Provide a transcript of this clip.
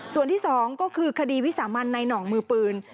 ส่วนที่๒ก็คือคดีวิสามันในหน่องมือปืน